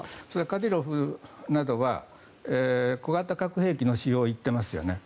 カディロフなどは小型核兵器の使用を言っていますよね。